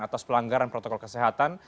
atas pelanggaran protokol kesehatan